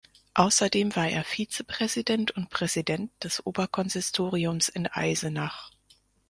Außerdem war er Vizepräsident und Präsident des Oberkonsistoriums in Eisenach.